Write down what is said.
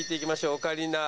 オカリナ。